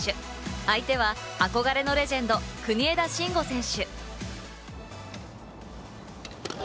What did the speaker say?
相手は憧れのレジェンド・国枝慎吾選手。